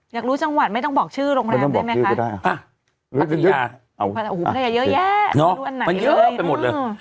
อยากรู้จังหวัดไม่ต้องบอกชื่อลงแรกได้ไหมคะปฏิญาโอ้โหปฏิญาเยอะแยะมันเยอะไปหมดเลย